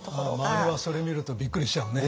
周りはそれ見るとびっくりしちゃうね。